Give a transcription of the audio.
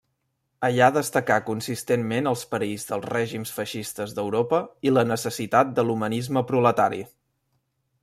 Allà destacà consistentment els perills dels règims feixistes d'Europa i la necessitat de l'humanisme proletari.